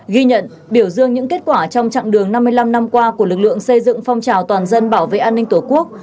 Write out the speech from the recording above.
ghi nhận biểu dương những kết quả trong chặng đường năm mươi năm năm qua của lực lượng xây dựng phong trào toàn dân bảo vệ an ninh tổ quốc